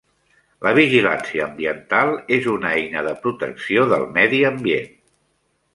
La vigilància ambiental és una eina de protecció del medi ambient.